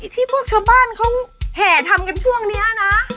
ที่พวกชาวบ้านเขาแห่ทำกันช่วงนี้นะ